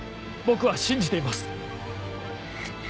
僕は信じています。